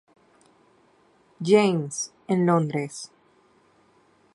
James, en Londres.